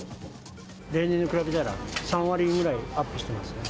例年に比べたら３割ぐらいアップしていますね。